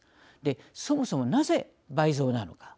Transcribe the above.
そもそもなぜ倍増なのか。